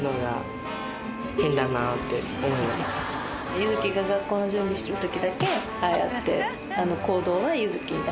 優月が学校の準備してるときだけああやって。